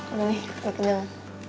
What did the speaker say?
udah nih udah kenyal